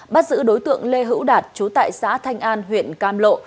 bắt giữ đối tượng lê hữu đạt chú tại xã thanh an huyện cam lộ